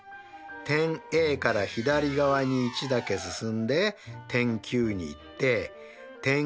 点Ａから左側に１だけ進んで点Ｑに行って点